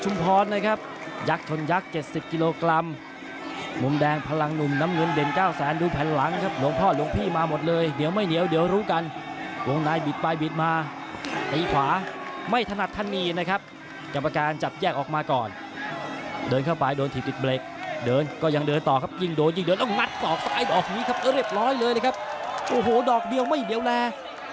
มัดสอกซ้ายดอกนี้ครับเรียบร้อยเลยนะครับโอ้โหดอกเดียวไม่เดี๋ยวแร่